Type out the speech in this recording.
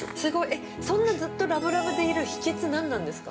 ◆えっ、そんなずっとラブラブでいる秘訣、何なんですか。